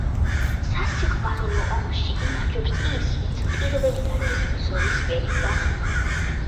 სასიყვარულო ომში იმარჯვებს ის, ვინც პირველი გარბის ბრძოლის ველიდან.